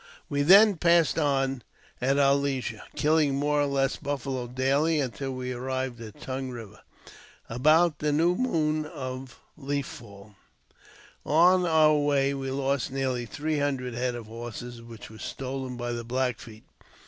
We then passed on at our leisure, killing more or less JAMES P. BECKWOUBTH. 249 buffalo daily, until we arrived at Tongue Eiver, about the new moon of Leaf Fall. On our way we lost nearly three hundred head of horses, which were stolen by the Black Feet.